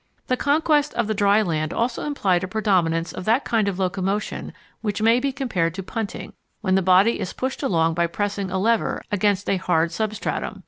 The conquest of the dry land also implied a predominance of that kind of locomotion which may be compared to punting, when the body is pushed along by pressing a lever against a hard substratum.